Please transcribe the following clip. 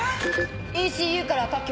⁉ＥＣＵから各局。